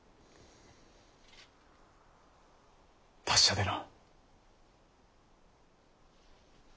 達者でな。